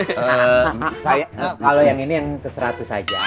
kalau yang ini yang ke seratus saja